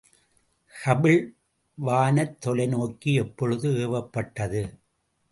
Hubble வானத்தொலைநோக்கி எப்பொழுது ஏவப்பட்டது?